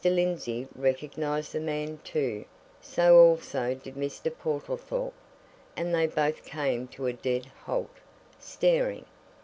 Lindsey recognized the man, too so also did Mr. Portlethorpe; and they both came to a dead halt, staring.